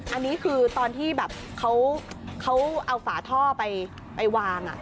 อันนี้คือตอนที่แบบเขาเอาฝาท่อไปวาง